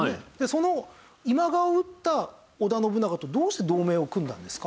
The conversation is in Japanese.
その今川を討った織田信長とどうして同盟を組んだんですか？